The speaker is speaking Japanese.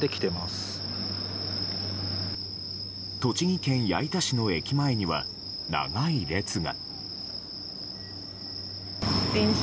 栃木県矢板市の駅前には長い列が。